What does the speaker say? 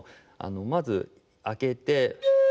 まず開けて。